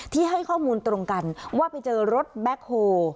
ให้ข้อมูลตรงกันว่าไปเจอรถแบ็คโฮ